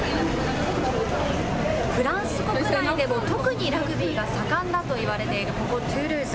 フランス国内でも特にラグビーが盛んだといわれているここトゥールーズ。